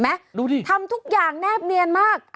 ดูดิทำทุกอย่างแนบเนียนมาก